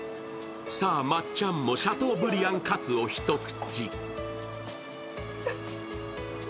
さぁ、まっちゃんもシャトーブリアンカツを一口。